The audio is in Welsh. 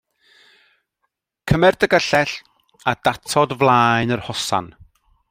Cymer dy gyllell a datod flaen yr hosan.